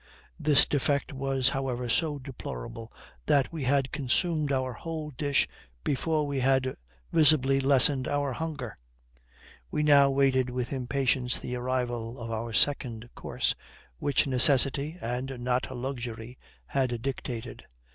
This defect was however so deplorable that we had consumed our whole dish before we had visibly lessened our hunger. We now waited with impatience the arrival of our second course, which necessity, and not luxury, had dictated.